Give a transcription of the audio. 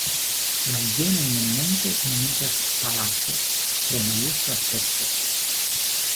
La jenaj monumentoj nomiĝas "palaco" pro majesta aspekto.